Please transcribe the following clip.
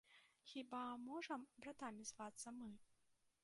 Хіба можам братамі звацца мы?